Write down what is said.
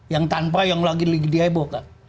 yang tanpa yang lagi diibukan